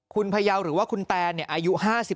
คุณพยาวหรือว่าคุณแตนอายุ๕๓